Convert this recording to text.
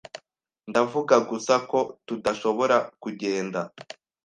Ndavuga gusa ko tudashobora kugenda.